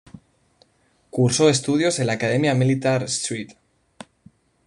Cursó estudios en la Academia Militar St.